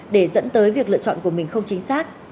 để dẫn tới việc lựa chọn của mình không chính xác